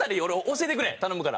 教えてくれ頼むから。